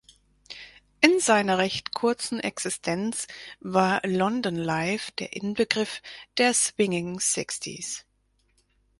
In seiner recht kurzen Existenz war London Life der Inbegriff der Swinging Sixties.